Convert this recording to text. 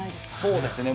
そうですね。